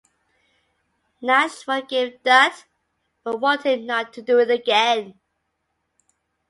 Nash forgave Dutt but warned him not to do it again.